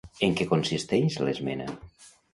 En què consisteix l'esmena?